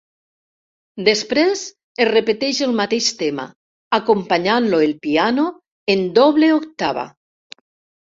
Després es repeteix el mateix tema, acompanyant-lo el piano en doble octava.